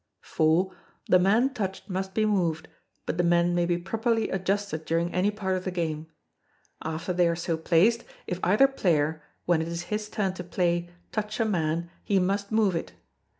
iv. The man touched must be moved, but the men may be properly adjusted during any part of the game. After they are so placed, if either player, when it is his turn to play, touch a man, he must move it.